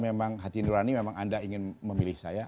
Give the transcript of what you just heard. memang hati indah ini memang anda ingin memilih saya